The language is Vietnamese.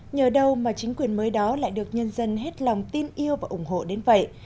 nhờ đâu mà chính quyền mới đó lại được nhân dân hết lòng tin yêu và ủng hộ đến vậy